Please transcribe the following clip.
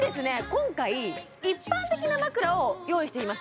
今回一般的な枕を用意してみました